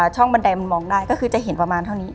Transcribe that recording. บันไดมันมองได้ก็คือจะเห็นประมาณเท่านี้